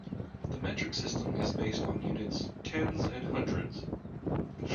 The metric system is based on units, tens and hundreds